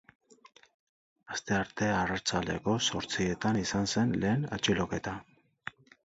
Astearte arratsaldeko zortzietan izan zen lehen atxiloketa.